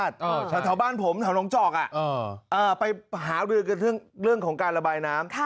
แถวบ้านผมแถวน้องจอกไปหารือกันเรื่องของการระบายน้ำ